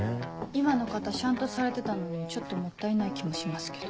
今の方しゃんとされてたのにちょっともったいない気もしますけど。